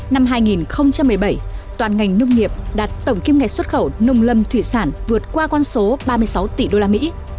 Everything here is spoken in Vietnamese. năm hai nghìn một mươi bảy toàn ngành nông nghiệp đạt tổng kiếm ngày xuất khẩu nông lâm thủy sản vượt qua con số ba mươi sáu tỷ usd